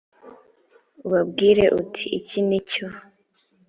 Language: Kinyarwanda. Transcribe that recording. ubabwire uti iki ni cyo